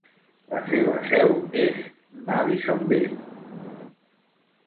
La seva seu és Madisonville.